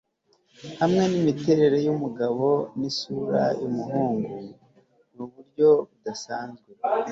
Hamwe nimiterere yumugabo nisura yumuhungu nuburyo budasanzwe